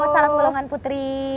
salam golongan putri